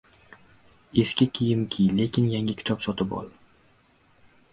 • Eski kiyim kiy, lekin yangi kitob sotib ol.